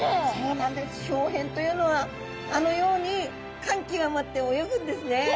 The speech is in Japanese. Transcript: ひょう変というのはあのように感極まって泳ぐんですね。